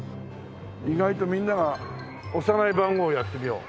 意外とみんなが押さない番号をやってみよう。